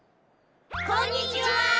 こんにちは！